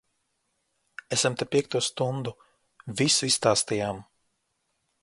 Esam te piekto stundu. Visu izstāstījām.